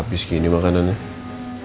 tuh kita bakal dari sini